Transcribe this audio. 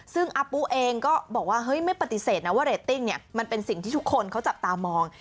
ซึ่งอาปุ๊เองก็บอกว่าเฮ้ยไม่ปฏิเสธนะว่าเรตติ้งเนี่ยมันเป็นสิ่งที่ทุกคนเขาจับตามอง